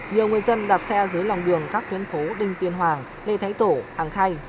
nhiều người dân đạp xe dưới lòng đường các tuyến phố đinh tiên hoàng lê thái tổ hàng khay